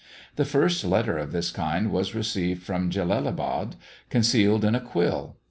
The first letter of this kind was received from Jellalabad, concealed in a quill.